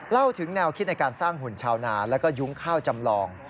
เล่าถึงแนวคิดในการสร้างหุ่นชาวนาแล้วก็ยุ้งข้าวจำลอง